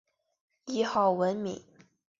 谥号文敏。